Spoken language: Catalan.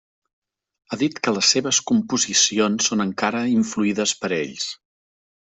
Ha dit que les seves composicions són encara influïdes per ells.